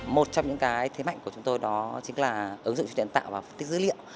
một trong những cái thế mạnh của chúng tôi đó chính là ứng dụng truyền tạo và phân tích dữ liệu